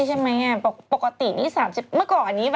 ใช่ใช่ไหมปกตินี่๓๐อัพ